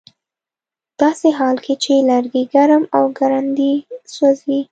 ه داسې حال کې چې لرګي ګرم او ګړندي سوځي